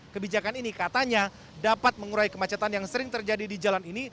kebijakan ini katanya dapat mengurai kemacetan yang sering terjadi di jalan ini